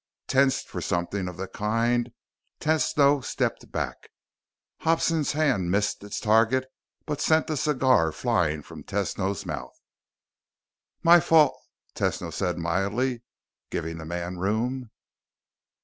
Tensed for something of the kind, Tesno stepped back. Hobson's hand missed its target but sent the cigar flying from Tesno's mouth. "My fault," Tesno said mildly, giving the man room.